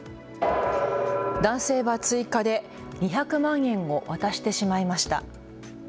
男性は追加で２００万円を渡してしまいました。